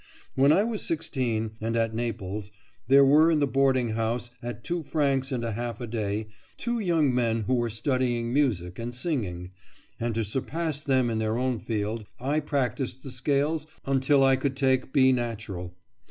When I was sixteen, and at Naples, there were in the boarding house, at two francs and a half a day, two young men who were studying music and singing, and to surpass them in their own field I practised the scales until I could take B natural.